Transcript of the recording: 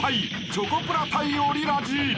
［チョコプラ対オリラジ］